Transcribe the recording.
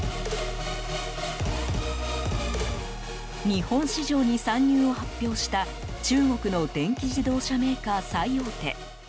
日本市場に参入を発表した中国の電気自動車メーカー最大手。